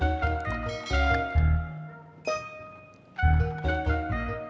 terima kasih mas